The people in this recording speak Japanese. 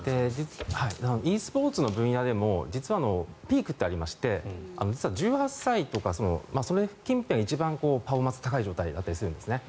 ｅスポーツの分野でも実はピークというのがありまして実は１８歳とか、その近辺が一番パフォーマンスが高い状態だったりするんですね。